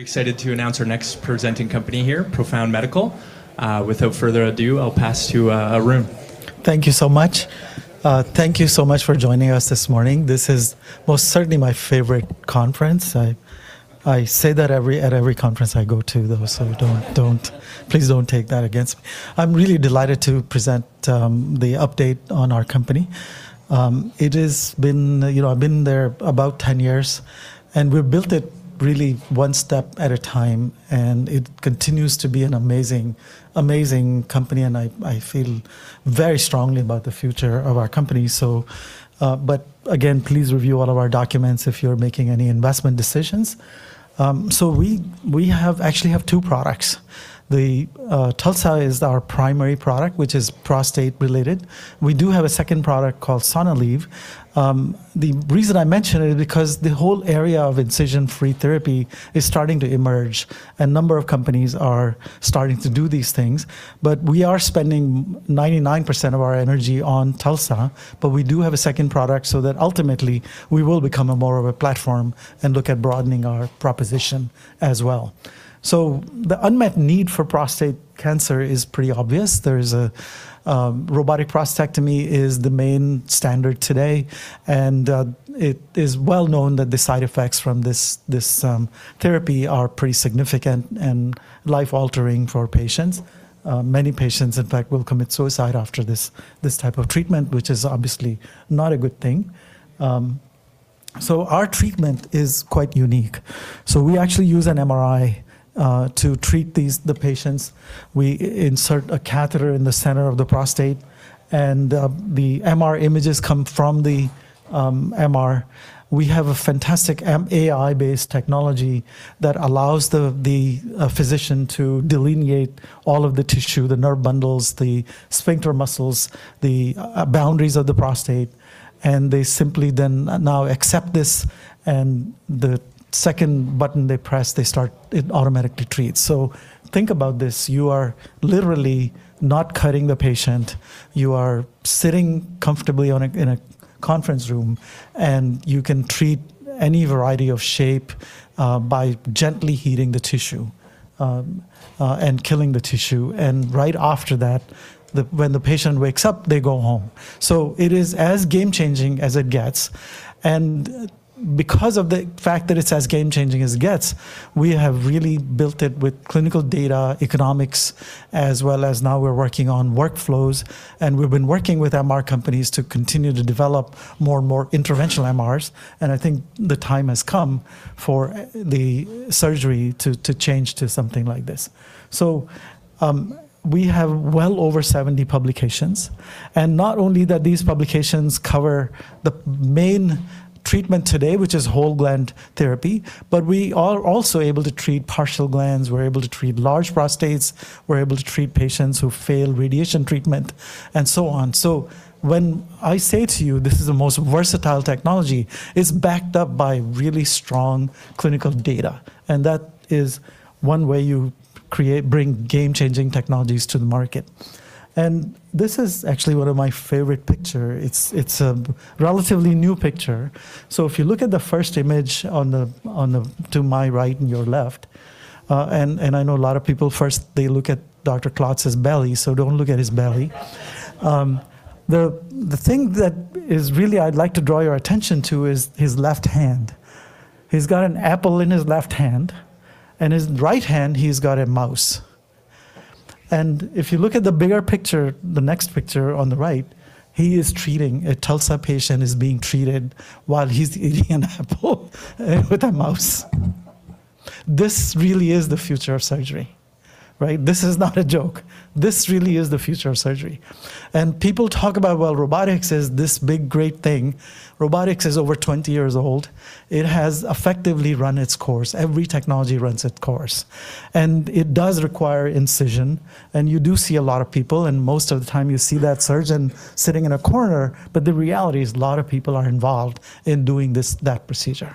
Excited to announce our next presenting company here, Profound Medical. Without further ado, I'll pass to Arun. Thank you so much. Thank you so much for joining us this morning. This is most certainly my favorite conference. I say that at every conference I go to, though, so please don't take that against me. I'm really delighted to present the update on our company. I've been there about 10 years, and we've built it really one step at a time, and it continues to be an amazing company, and I feel very strongly about the future of our company. Again, please review all of our documents if you're making any investment decisions. We actually have two products. The TULSA is our primary product, which is prostate related. We do have a second product called Sonalleve. The reason I mention it is because the whole area of incision-free therapy is starting to emerge, and a number of companies are starting to do these things. We are spending 99% of our energy on TULSA, but we do have a second product so that ultimately we will become a more of a platform and look at broadening our proposition as well. The unmet need for prostate cancer is pretty obvious. Robotic prostatectomy is the main standard today, and it is well known that the side effects from this therapy are pretty significant and life altering for patients. Many patients, in fact, will commit suicide after this type of treatment, which is obviously not a good thing. Our treatment is quite unique. We actually use an MRI to treat the patients. We insert a catheter in the center of the prostate, and the MR images come from the MR. We have a fantastic AI-based technology that allows the physician to delineate all of the tissue, the nerve bundles, the sphincter muscles, the boundaries of the prostate, and they simply then now accept this, and the second button they press, it automatically treats. Think about this. You are literally not cutting the patient. You are sitting comfortably in a conference room, and you can treat any variety of shape by gently heating the tissue and killing the tissue. Right after that, when the patient wakes up, they go home. It is as game changing as it gets. Because of the fact that it's as game changing as it gets, we have really built it with clinical data economics, as well as now we're working on workflows, and we've been working with MR companies to continue to develop more and more interventional MRs, and I think the time has come for the surgery to change to something like this. We have well over 70 publications, and not only that these publications cover the main treatment today, which is whole gland therapy, but we are also able to treat partial glands, we're able to treat large prostates, we're able to treat patients who fail radiation treatment, and so on. When I say to you, this is the most versatile technology, it's backed up by really strong clinical data, and that is one way you bring game changing technologies to the market. This is actually one of my favorite picture. It's a relatively new picture. If you look at the first image to my right and your left, and I know a lot of people, first, they look at Dr. Klotz's belly, so don't look at his belly. The thing that is really, I'd like to draw your attention to is his left hand. He's got an apple in his left hand, and his right hand, he's got a mouse. If you look at the bigger picture, the next picture on the right, he is treating a TULSA patient while he's eating an apple with a mouse. This really is the future of surgery, right? This is not a joke. This really is the future of surgery. People talk about, well, robotics is this big, great thing. Robotics is over 20 years old. It has effectively run its course. Every technology runs its course. It does require incision, and you do see a lot of people, and most of the time, you see that surgeon sitting in a corner, but the reality is a lot of people are involved in doing that procedure.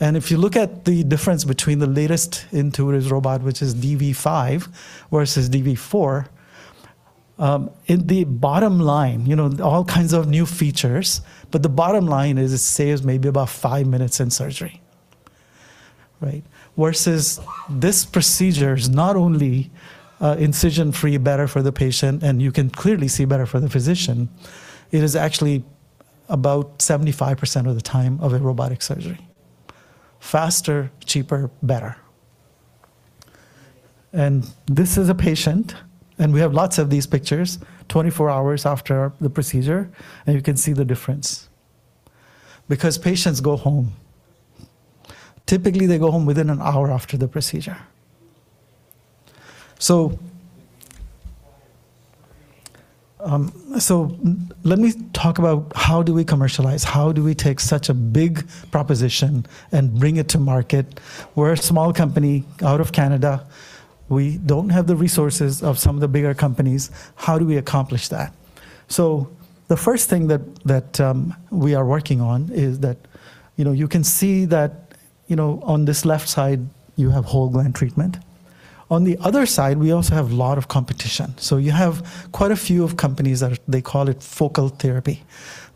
If you look at the difference between the latest Intuitive robot, which is DV5 versus DV4, all kinds of new features, but the bottom line is it saves maybe about five minutes in surgery. Right? Versus this procedure is not only incision-free, better for the patient, and you can clearly see better for the physician, it is actually about 75% of the time of a robotic surgery. Faster, cheaper, better. This is a patient, and we have lots of these pictures, 24 hours after the procedure, and you can see the difference. Because patients go home. Typically, they go home within an hour after the procedure. Let me talk about how do we commercialize? How do we take such a big proposition and bring it to market? We're a small company out of Canada. We don't have the resources of some of the bigger companies. How do we accomplish that? The first thing that we are working on is that you can see that on this left side, you have whole gland treatment. On the other side, we also have a lot of competition. You have quite a few of companies that they call it focal therapy.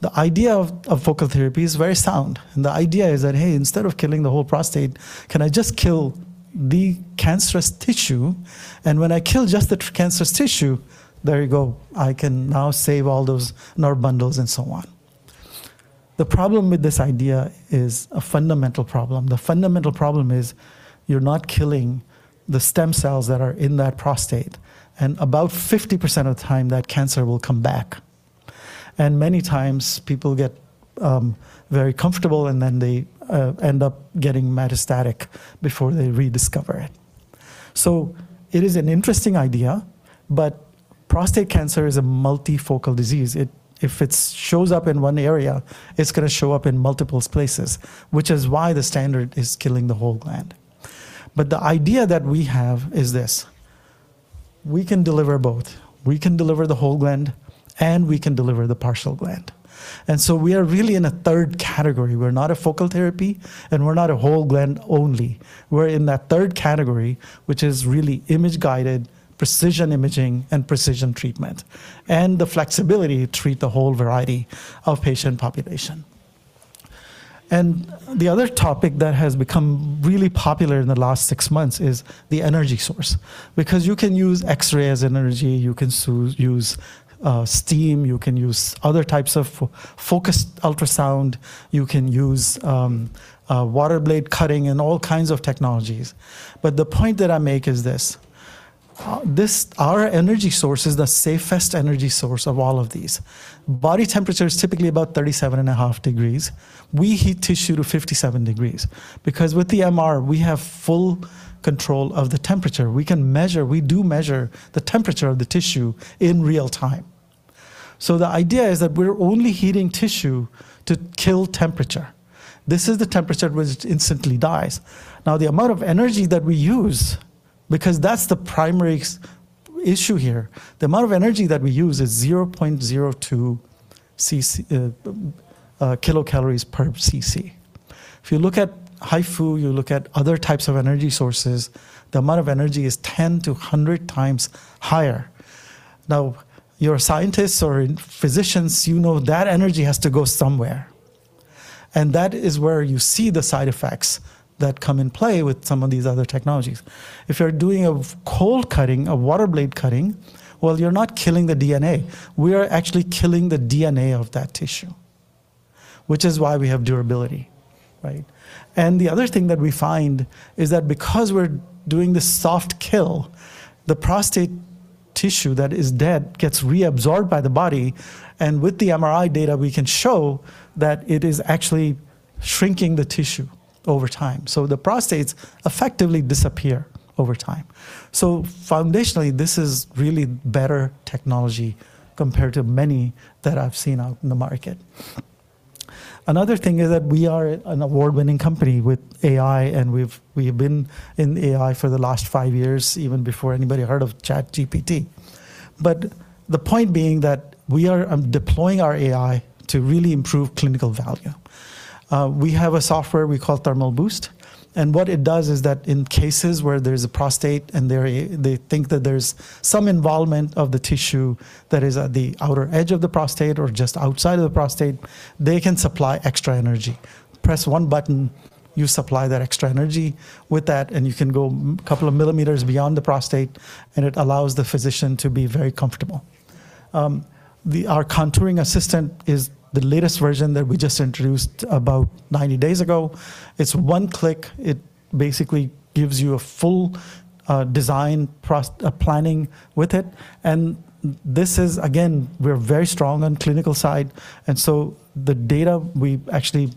The idea of focal therapy is very sound, and the idea is that, hey, instead of killing the whole prostate, can I just kill the cancerous tissue? When I kill just the cancerous tissue, there you go. I can now save all those nerve bundles and so on. The problem with this idea is a fundamental problem. The fundamental problem is you're not killing the stem cells that are in that prostate, and about 50% of the time that cancer will come back. Many times people get very comfortable, and then they end up getting metastatic before they rediscover it. It is an interesting idea, but prostate cancer is a multifocal disease. If it shows up in one area, it's going to show up in multiple places, which is why the standard is killing the whole gland. The idea that we have is this, we can deliver both. We can deliver the whole gland, and we can deliver the partial gland. We are really in a third category. We're not a focal therapy, and we're not a whole gland only. We're in that third category, which is really image-guided precision imaging and precision treatment, and the flexibility to treat the whole variety of patient population. The other topic that has become really popular in the last six months is the energy source. You can use X-ray as energy, you can use steam, you can use other types of focused ultrasound, you can use water blade cutting, and all kinds of technologies. The point that I make is this, our energy source is the safest energy source of all of these. Body temperature is typically about 37.5 degrees. We heat tissue to 57 degrees because, with the MR, we have full control of the temperature. We can measure, we do measure the temperature of the tissue in real time. The idea is that we're only heating tissue to kill temperature. This is the temperature at which it instantly dies. Now, the amount of energy that we use, because that's the primary issue here, the amount of energy that we use is 0.02 kcal/cc. If you look at HIFU, you look at other types of energy sources, the amount of energy is 10-100 times higher. Now, you're scientists or physicians, you know that energy has to go somewhere, and that is where you see the side effects that come into play with some of these other technologies. If you're doing a cold cutting, a water blade cutting, well, you're not killing the DNA. We are actually killing the DNA of that tissue, which is why we have durability, right? The other thing that we find is that because we're doing this soft kill, the prostate tissue that is dead gets reabsorbed by the body, and with the MRI data, we can show that it is actually shrinking the tissue over time. The prostates effectively disappear over time. Foundationally, this is really better technology compared to many that I've seen out in the market. Another thing is that we are an award-winning company with AI, and we've been in AI for the last five years, even before anybody heard of ChatGPT. The point being that we are deploying our AI to really improve clinical value. We have a software we call Thermal Boost, and what it does is that in cases where there's a prostate and they think that there's some involvement of the tissue that is at the outer edge of the prostate or just outside of the prostate, they can supply extra energy. Press one button, you supply that extra energy with that, and you can go a couple of millimeters beyond the prostate, and it allows the physician to be very comfortable. Our Contouring Assistant is the latest version that we just introduced about 90 days ago. It's one click. It basically gives you a full design planning with it, and this is, again, we're very strong on clinical side, and so the data, we actually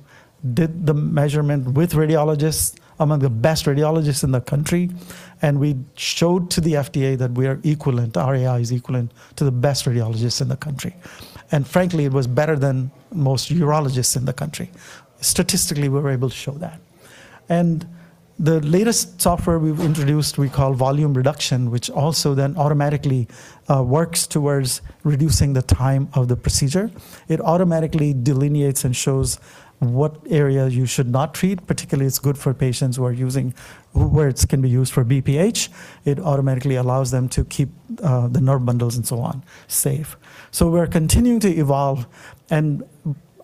did the measurement with radiologists, among the best radiologists in the country, and we showed to the FDA that we are equivalent. Our AI is equivalent to the best radiologists in the country. Frankly, it was better than most urologists in the country. Statistically, we were able to show that. The latest software we've introduced, we call Volume Reduction, which also then automatically works towards reducing the time of the procedure. It automatically delineates and shows what area you should not treat. Particularly, it's good for patients where it can be used for BPH. It automatically allows them to keep the nerve bundles and so on safe. We're continuing to evolve, and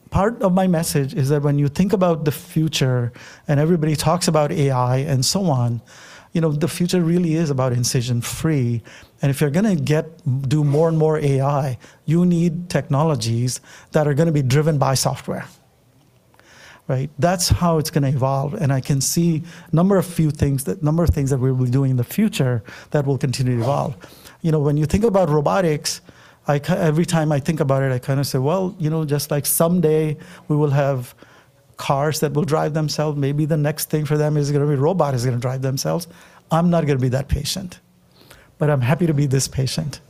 part of my message is that when you think about the future and everybody talks about AI and so on, the future really is about incision-free. If you're going to do more and more AI, you need technologies that are going to be driven by software, right? That's how it's going to evolve, and I can see a number of things that we'll be doing in the future that will continue to evolve. When you think about robotics, every time I think about it, I say, "Well, just like someday we will have cars that will drive themselves, maybe the next thing for them is going to be robot is going to drive themselves." I'm not going to be that patient, but I'm happy to be this patient.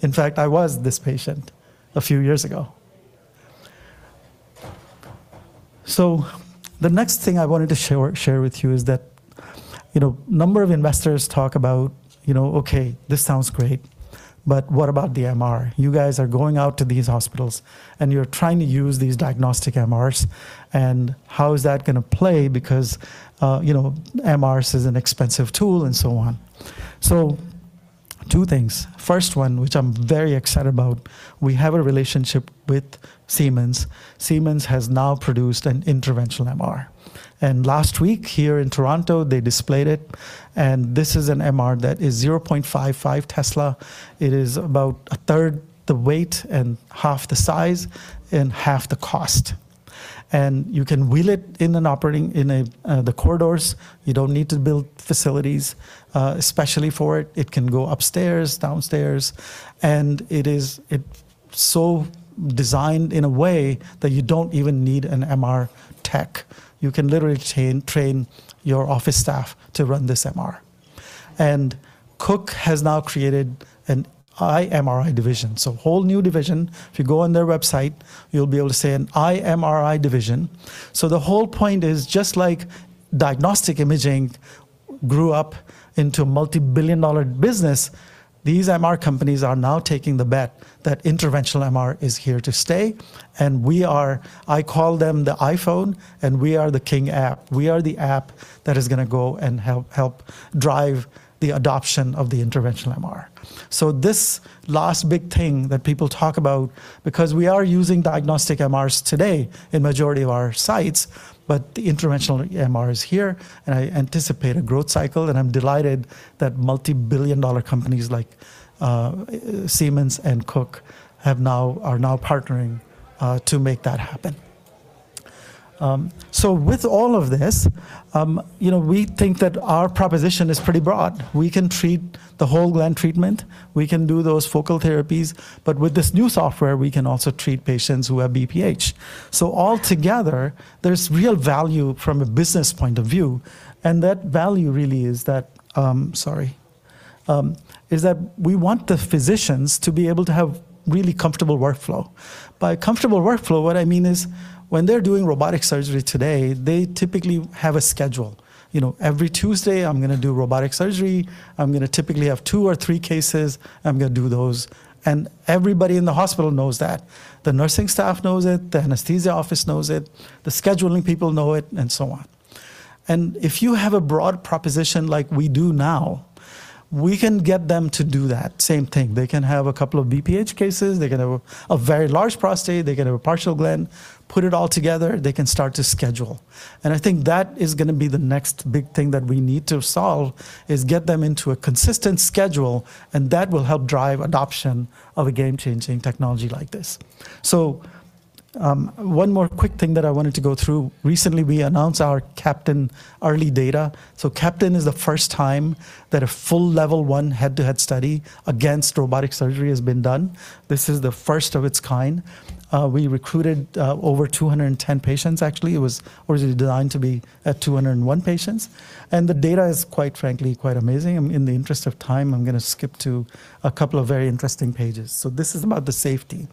In fact, I was this patient a few years ago. The next thing I wanted to share with you is that a number of investors talk about, "Okay, this sounds great. What about the MR? You guys are going out to these hospitals and you're trying to use these diagnostic MRs, and how is that going to play because MRs is an expensive tool and so on." Two things. First one, which I'm very excited about, we have a relationship with Siemens. Siemens has now produced an interventional MR, and last week here in Toronto, they displayed it, and this is an MR that is 0.55 Tesla. It is about a third the weight and half the size and half the cost. You can wheel it in the corridors, you don't need to build facilities especially for it. It can go upstairs, downstairs, and it's so designed in a way that you don't even need an MR tech. You can literally train your office staff to run this MR. Cook has now created an iMRI division, so whole new division. If you go on their website, you'll be able to see an iMRI division. The whole point is, just like diagnostic imaging grew up into a multi-billion dollar business, these MR companies are now taking the bet that interventional MR is here to stay. I call them the iPhone, and we are the king app. We are the app that is going to go and help drive the adoption of the interventional MR. This last big thing that people talk about, because we are using diagnostic MRs today in majority of our sites, but the interventional MR is here, and I anticipate a growth cycle, and I'm delighted that multi-billion dollar companies like Siemens and Cook are now partnering to make that happen. With all of this, we think that our proposition is pretty broad. We can treat the whole gland treatment, we can do those focal therapies. With this new software, we can also treat patients who have BPH. All together, there's real value from a business point of view, and that value really is that, sorry, we want the physicians to be able to have really comfortable workflow. By comfortable workflow, what I mean is when they're doing robotic surgery today, they typically have a schedule. Every Tuesday I'm going to do robotic surgery. I'm going to typically have two or three cases. I'm going to do those. Everybody in the hospital knows that. The nursing staff knows it, the anesthesia office knows it, the scheduling people know it, and so on. If you have a broad proposition like we do now, we can get them to do that same thing. They can have a couple of BPH cases. They can have a very large prostate. They can have a partial gland, put it all together, they can start to schedule. I think that is going to be the next big thing that we need to solve, is get them into a consistent schedule, and that will help drive adoption of a game-changing technology like this. One more quick thing that I wanted to go through. Recently, we announced our CAPTAIN early data. CAPTAIN is the first time that a full level one head-to-head study against robotic surgery has been done. This is the first of its kind. We recruited over 210 patients, actually. It was originally designed to be at 201 patients. The data is, quite frankly, quite amazing. In the interest of time, I'm going to skip to a couple of very interesting pages. This is about the safety.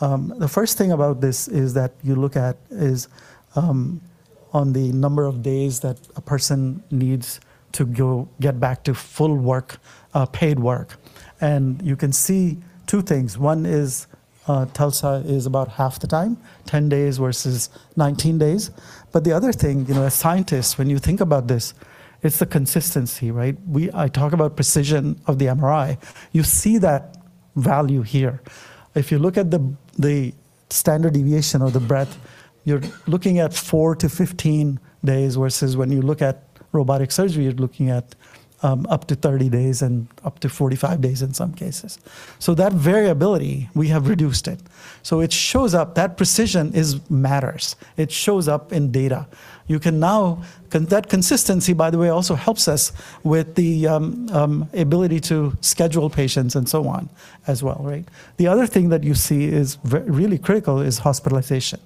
The first thing about this is that you look at is the number of days that a person needs to get back to full work, paid work. You can see two things. One is, TULSA is about half the time, 10 days versus 19 days. The other thing, as scientists, when you think about this, it's the consistency, right? I talk about precision of the MRI. You see that value here. If you look at the standard deviation or the breadth, you're looking at 4-15 days, versus when you look at robotic surgery, you're looking at up to 30 days and up to 45 days in some cases. That variability, we have reduced it. It shows up. That precision matters. It shows up in data. That consistency, by the way, also helps us with the ability to schedule patients and so on as well, right? The other thing that you see is really critical is hospitalization.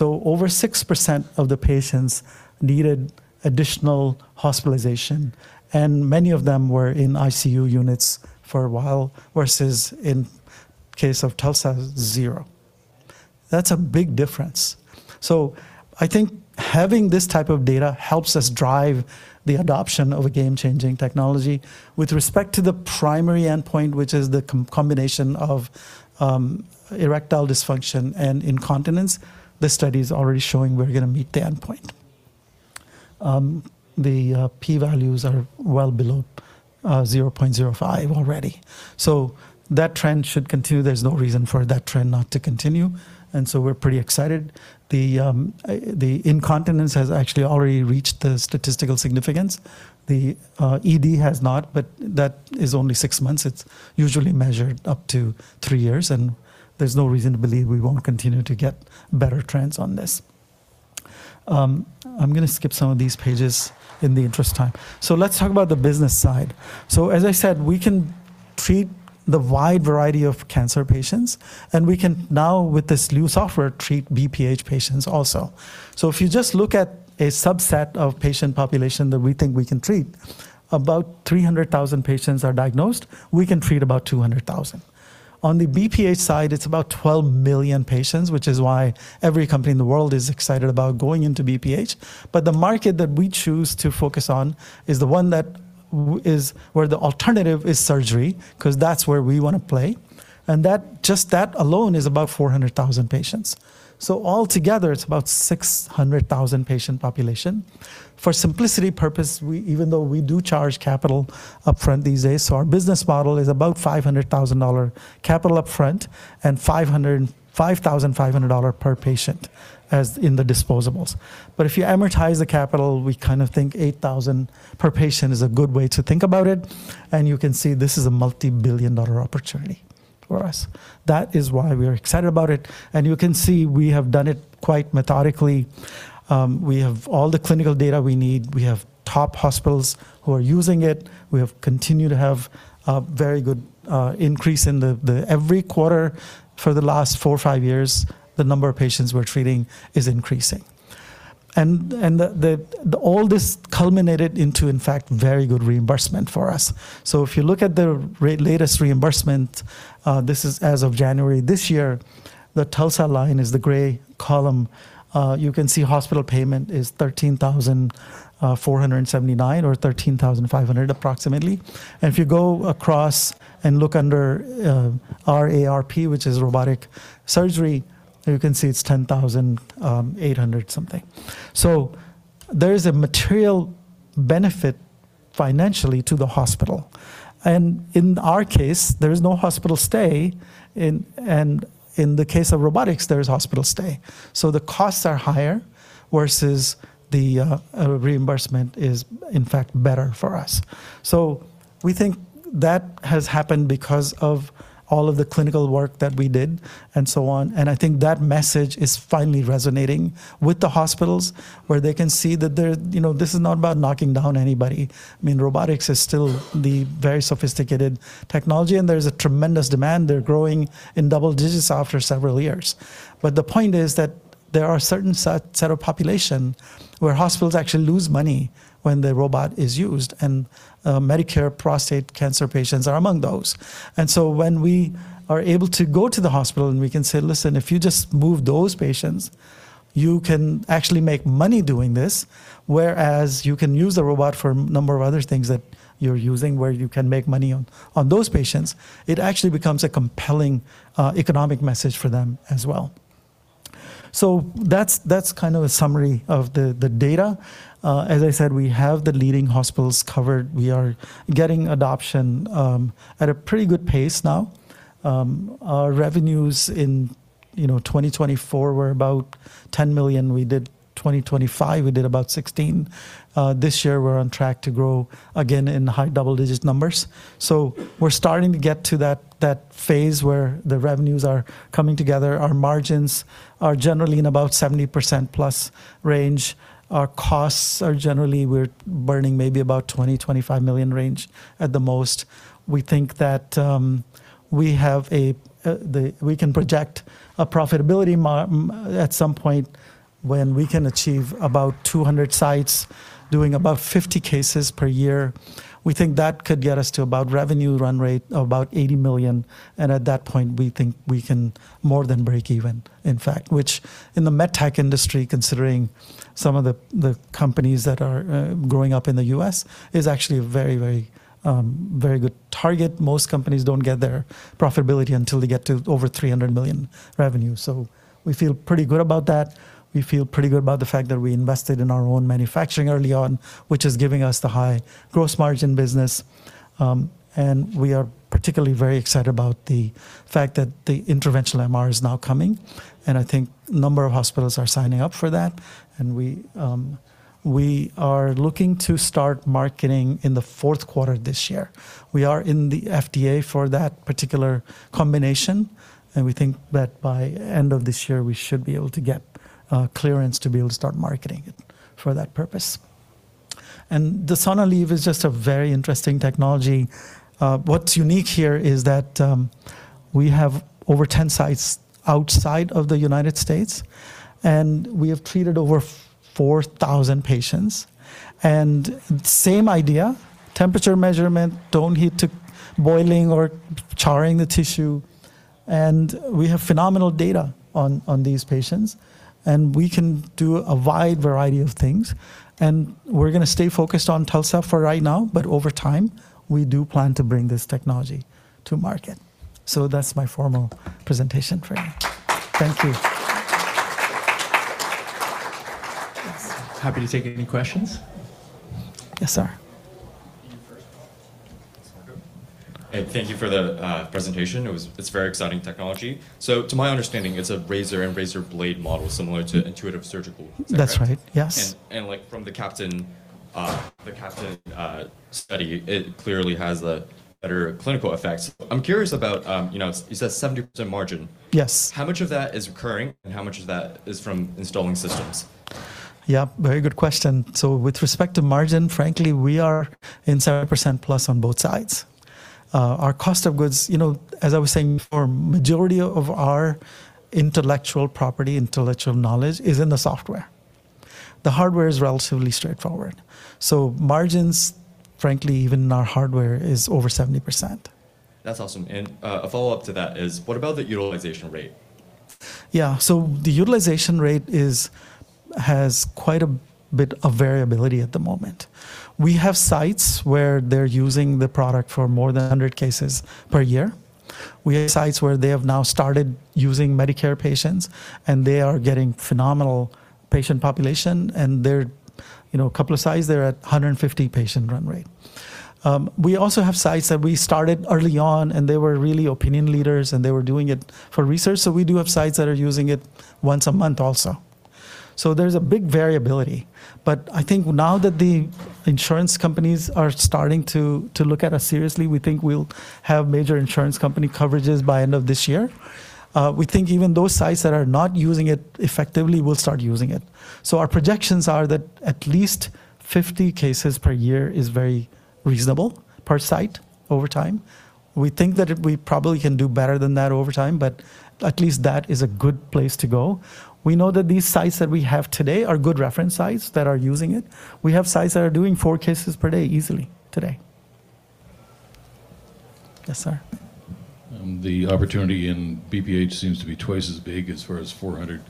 Over 6% of the patients needed additional hospitalization, and many of them were in ICU units for a while, versus in case of TULSA, zero. That's a big difference. I think having this type of data helps us drive the adoption of a game-changing technology. With respect to the primary endpoint, which is the combination of erectile dysfunction and incontinence, the study is already showing we're going to meet the endpoint. The P values are well below 0.05 already. That trend should continue. There's no reason for that trend not to continue, and so we're pretty excited. The incontinence has actually already reached the statistical significance. The ED has not, but that is only six months. It's usually measured up to three years, and there's no reason to believe we won't continue to get better trends on this. I'm going to skip some of these pages in the interest of time. Let's talk about the business side. As I said, we can treat the wide variety of cancer patients, and we can now, with this new software, treat BPH patients also. If you just look at a subset of patient population that we think we can treat, about 300,000 patients are diagnosed, we can treat about 200,000. On the BPH side, it's about 12 million patients, which is why every company in the world is excited about going into BPH. The market that we choose to focus on is the one where the alternative is surgery, because that's where we want to play, and just that alone is about 400,000 patients. All together, it's about 600,000 patient population. For simplicity purpose, even though we do charge capital upfront these days, so our business model is about $500,000 capital upfront and $5,500 per patient in the disposables. If you amortize the capital, we think $8,000 per patient is a good way to think about it, and you can see this is a multi-billion dollar opportunity for us. That is why we are excited about it, and you can see we have done it quite methodically. We have all the clinical data we need. We have top hospitals who are using it. We have continued to have a very good increase. Every quarter for the last four or five years, the number of patients we're treating is increasing. All this culminated into, in fact, very good reimbursement for us. If you look at the latest reimbursement, this is as of January this year. The TULSA line is the gray column. You can see hospital payment is $13,479 or $13,500 approximately. If you go across and look under RARP, which is robotic surgery, you can see it's $10,800-something. There is a material benefit financially to the hospital. In our case, there is no hospital stay, and in the case of robotics, there is hospital stay. The costs are higher versus the reimbursement is in fact better for us. We think that has happened because of all of the clinical work that we did and so on. I think that message is finally resonating with the hospitals where they can see that this is not about knocking down anybody. I mean, robotics is still the very sophisticated technology, and there's a tremendous demand they're growing in double digits after several years. The point is that there are certain set of population where hospitals actually lose money when the robot is used, and Medicare prostate cancer patients are among those. When we are able to go to the hospital and we can say, "Listen, if you just move those patients, you can actually make money doing this, whereas you can use a robot for a number of other things that you're using where you can make money on those patients," it actually becomes a compelling economic message for them as well. That's a summary of the data. As I said, we have the leading hospitals covered. We are getting adoption at a pretty good pace now. Our revenues in 2024 were about 10 million. Our revenues in 2025 were about 16 million. This year we're on track to grow again in high double-digit numbers. We're starting to get to that phase where the revenues are coming together. Our margins are generally in about 70%+ range. Our costs are generally we're burning maybe about 20 million - 25 million range at the most. We think that we can project a profitability at some point when we can achieve about 200 sites doing about 50 cases per year. We think that could get us to about revenue run rate of about 80 million. At that point, we think we can more than break even, in fact, which in the med tech industry, considering some of the companies that are growing up in the U.S., is actually a very good target. Most companies don't get their profitability until they get to over 300 million revenue. We feel pretty good about that. We feel pretty good about the fact that we invested in our own manufacturing early on, which is giving us the high gross margin business. We are particularly very excited about the fact that the interventional MR is now coming, and I think a number of hospitals are signing up for that. We are looking to start marketing in the fourth quarter this year. We are in the FDA for that particular combination, and we think that by end of this year, we should be able to get clearance to be able to start marketing it for that purpose. The Sonalleve is just a very interesting technology. What's unique here is that we have over 10 sites outside of the United States, and we have treated over 4,000 patients. Same idea, temperature measurement, don't heat to boiling or charring the tissue, and we have phenomenal data on these patients, and we can do a wide variety of things. We're going to stay focused on TULSA for right now, but over time, we do plan to bring this technology to market. That's my formal presentation for you. Thank you. Happy to take any questions. Yes, sir. Thank you for the presentation. It's very exciting technology. To my understanding, it's a razor and razor blade model similar to Intuitive Surgical. That's right. Yes. From the CAPTAIN study, it clearly has a better clinical effect. I'm curious about, you said 70% margin. Yes. How much of that is recurring and how much of that is from installing systems? Yeah. Very good question. With respect to margin, frankly, we are in 70%+ on both sides. Our cost of goods, as I was saying before, majority of our intellectual property, intellectual knowledge is in the software. The hardware is relatively straightforward. Margins, frankly, even in our hardware, is over 70%. That's awesome. A follow-up to that is, what about the utilization rate? Yeah. The utilization rate has quite a bit of variability at the moment. We have sites where they're using the product for more than 100 cases per year. We have sites where they have now started using Medicare patients, and they are getting phenomenal patient population. A couple of sites, they're at 150 patient run rate. We also have sites that we started early on, and they were really opinion leaders, and they were doing it for research. We do have sites that are using it once a month also. There's a big variability, but I think now that the insurance companies are starting to look at us seriously, we think we'll have major insurance company coverages by end of this year. We think even those sites that are not using it effectively will start using it. Our projections are that at least 50 cases per year is very reasonable, per site, over time. We think that we probably can do better than that over time, but at least that is a good place to go. We know that these sites that we have today are good reference sites that are using it. We have sites that are doing four cases per day easily today. Yes, sir. The opportunity in BPH seems to be twice as big as far as 400,000.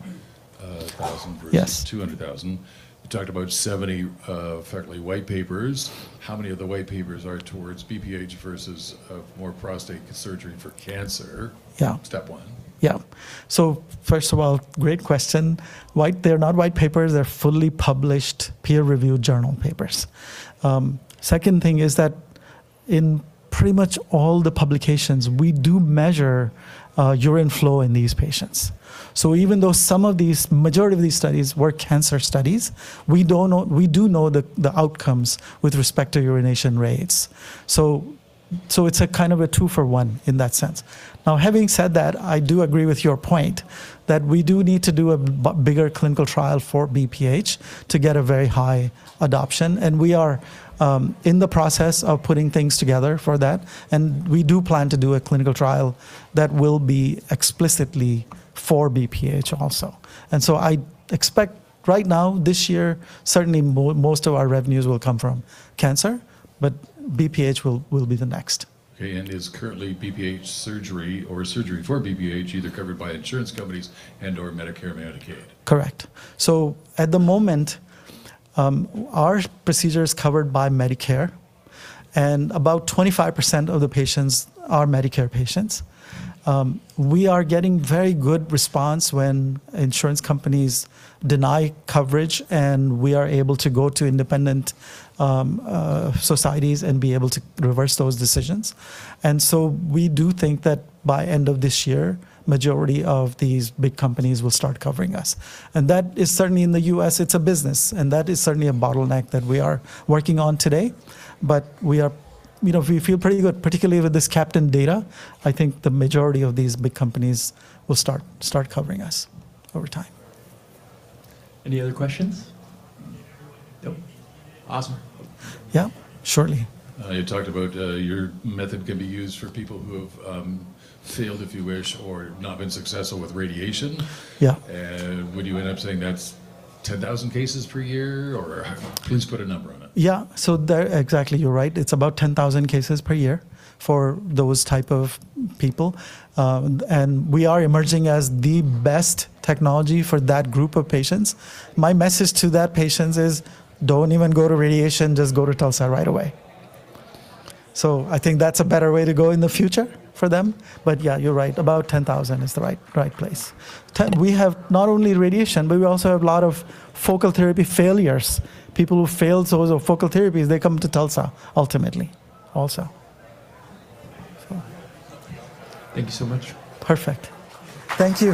Yes versus 200,000. You talked about 70, frankly, white papers. How many of the white papers are towards BPH versus more prostate surgery for cancer? Yeah. Step one. Yeah. First of all, great question. They're not white papers. They're fully published, peer-reviewed journal papers. Second thing is that in pretty much all the publications, we do measure urine flow in these patients. So even though majority of these studies were cancer studies, we do know the outcomes with respect to urination rates. So it's a kind of a two for one in that sense. Now, having said that, I do agree with your point, that we do need to do a bigger clinical trial for BPH to get a very high adoption, and we are in the process of putting things together for that. We do plan to do a clinical trial that will be explicitly for BPH also. I expect right now, this year, certainly most of our revenues will come from cancer, but BPH will be the next. Okay. Is currently BPH surgery or surgery for BPH, either covered by insurance companies and/or Medicare and Medicaid? Correct. At the moment, our procedure is covered by Medicare, and about 25% of the patients are Medicare patients. We are getting very good response when insurance companies deny coverage, and we are able to go to independent societies and be able to reverse those decisions. We do think that by end of this year, majority of these big companies will start covering us, and that is certainly in the U.S., it's a business, and that is certainly a bottleneck that we are working on today. We feel pretty good, particularly with this CAPTAIN data. I think the majority of these big companies will start covering us over time. Any other questions? Nope. Awesome. Yeah, surely. You talked about your method can be used for people who have failed, if you wish, or not been successful with radiation. Yeah. Would you end up saying that's 10,000 cases per year, or please put a number on it? Yeah. Exactly, you're right. It's about 10,000 cases per year for those type of people. We are emerging as the best technology for that group of patients. My message to that patients is, "Don't even go to radiation, just go to TULSA right away." I think that's a better way to go in the future for them. Yeah, you're right, about 10,000 is the right place. We have not only radiation, but we also have a lot of focal therapy failures. People who failed those focal therapies, they come to TULSA ultimately also. Thank you so much. Perfect. Thanks.